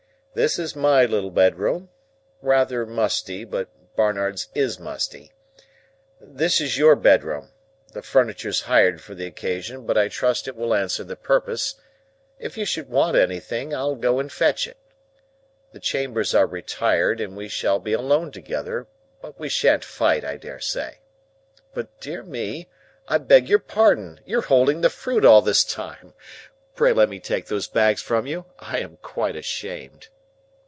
This is my little bedroom; rather musty, but Barnard's is musty. This is your bedroom; the furniture's hired for the occasion, but I trust it will answer the purpose; if you should want anything, I'll go and fetch it. The chambers are retired, and we shall be alone together, but we shan't fight, I dare say. But dear me, I beg your pardon, you're holding the fruit all this time. Pray let me take these bags from you. I am quite ashamed."